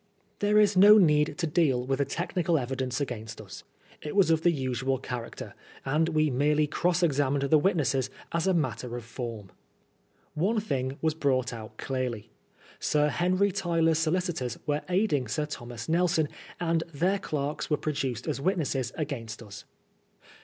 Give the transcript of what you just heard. There is no need to deal with ttie technical evidence against us. It was of the usual character, and we merely cross examined the witnesses as a matter of , 100 PRISONER FOR BLASPHEMY. form. One thing was brought out clearly. Sir Henry Tyler's solicitors were aiding Sir Thomas Nelson, and their clerks were produced as witnesses against us.